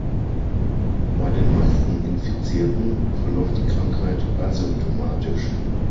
Bei den meisten Infizierten verläuft die Krankheit asymptomatisch.